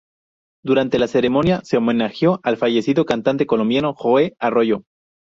Durante la ceremonia se homenajeó al fallecido cantante colombiano Joe Arroyo.